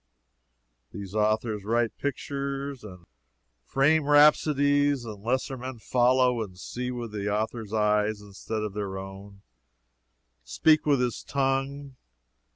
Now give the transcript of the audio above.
These authors write pictures and frame rhapsodies, and lesser men follow and see with the author's eyes instead of their own, and speak with his tongue.